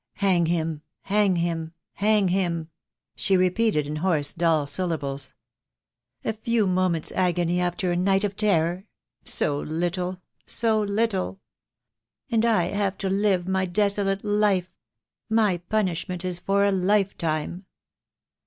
Hang him — hang him — hang him," she repeated, in hoarse dull syllables. "A few moments' agony after a THE DAY WILL COME. QI night of terror. So little — so little! And I have to live my desolate life. My punishment is for a lifetime."